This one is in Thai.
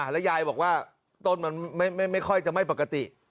แล้วยายบอกว่าต้นมันไม่ค่อยจะไม่ปกติ